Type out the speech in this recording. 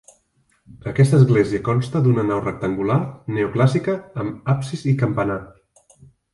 Aquesta església consta d'una nau rectangular, neoclàssica amb absis i campanar.